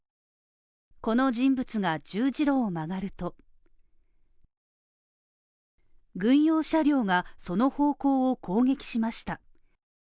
この人物が十字路を曲がると軍用車両が、その方向を攻撃しました。